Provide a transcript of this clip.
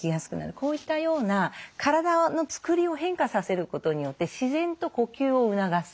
こういったような体のつくりを変化させることによって自然と呼吸を促す。